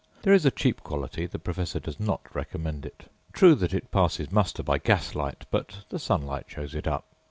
There is a cheap quality; the professor does not recommend it. True that it passes muster by gaslight, but the sunlight shows it up.